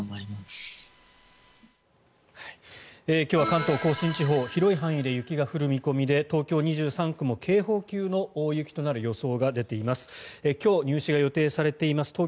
今日は関東・甲信地方広い範囲で雪が降る見込みで東京２３区も警報級の大雪となる予想が出ています。